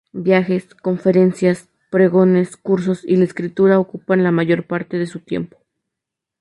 Viajes, conferencias, pregones, cursos y la escritura ocupan la mayor parte de su tiempo.